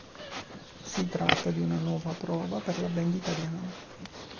Si tratta di una nuova prova per la band italiana.